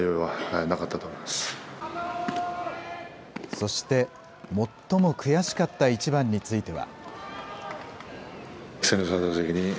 そして、最も悔しかった一番については。